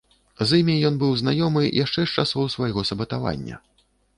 З імі ён быў знаёмы яшчэ з часоў свайго сабатавання.